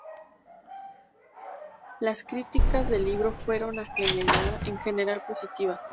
Las críticas del libro fueron en general positivas.